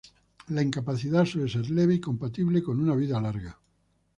La incapacidad suele ser leve y compatible con una vida larga.